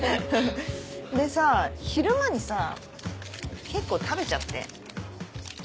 でさ昼間にさ結構食べちゃって。